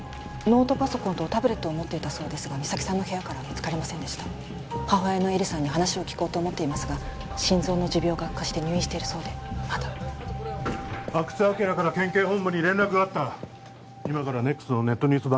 ノートパソコンとタブレットを持っていたそうですが実咲さんの部屋からは見つかりませんでした母親の絵里さんに話を聞こうと思っていますが心臓の持病が悪化して入院しているそうでまだ阿久津晃から県警本部に連絡があった今からＮＥＸのネットニュース